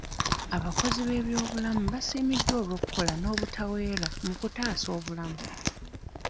Abakozi b'ebyobulamu basiimiddwa olw'okola n'obutaweera mu kutaasa obulamu.